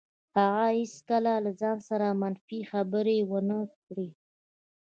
هغه هېڅکله له ځان سره منفي خبرې ونه کړې.